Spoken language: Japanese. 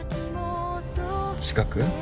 近く？